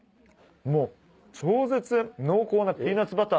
もう超絶濃厚なピーナツバターみたいな。